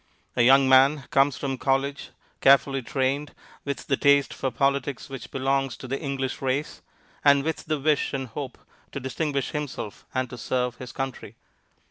A young man comes from college carefully trained, with the taste for politics which belongs to the English race, and with the wish and hope to distinguish himself and to serve his country.